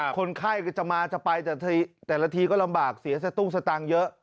คนไข้ก็จะมาจะไปแต่ละทีก็ลำบากเสียสตุ้งสตางค์เยอะ